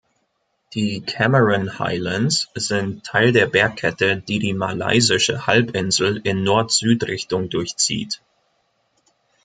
Die Cameron Highlands sind Teil der Bergkette, die die malaysische Halbinsel in Nord-Süd-Richtung durchzieht.